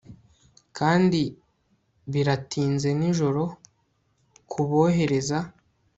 kandi biratinze nijoro kubohereza